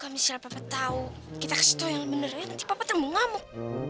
kalo misalnya papa tahu kita ke situ yang bener nanti papa tembak ngamuk